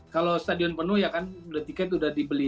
kalau stadion penuh ya kan tiket sudah dibeli